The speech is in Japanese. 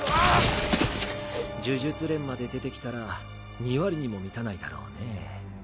呪術連まで出てきたら２割にも満たないだろうねぇ。